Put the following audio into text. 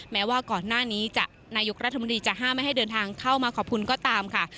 แม้ว่าก่อนหน้านี้นายกรัฐมนตรีจะห้ามไม่ให้เดินทางเข้ามาขอบคุณก็ตามค่ะ